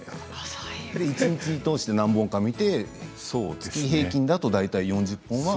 一日を通して何本か見て月平均だと大体４０本は。